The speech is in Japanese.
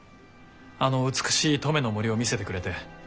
あの美しい登米の森を見せてくれて。